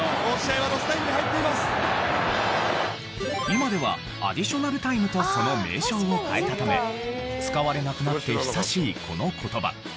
今ではアディショナルタイムとその名称を変えたため使われなくなって久しいこの言葉。